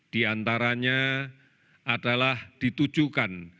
di antaranya adalah ditujukan